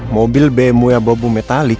mobil bmw yang bawa bumbu metalik